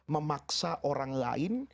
memaksa orang lain